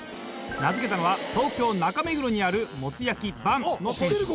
名付けたのは東京・中目黒にあるもつ焼きばんの店主。